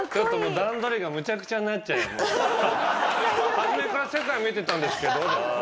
「始めから世界見てたんですけど」。